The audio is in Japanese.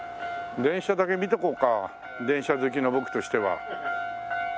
電車だけ見ていこうか電車好きの僕としては。